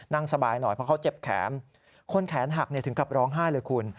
นั่งสบายหน่อยเพราะเขาเจ็บแขนคนแขนหักถึงกับร้องไห้เลยคุณ